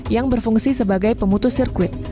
yang berfungsi sebagai pemutus sirkuit